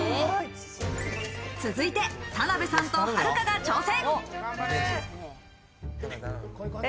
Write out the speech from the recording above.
続いて田辺さんとはるかが挑戦。